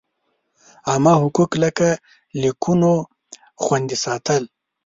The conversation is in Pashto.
عامه حقوق لکه لیکونو خوندي ساتل.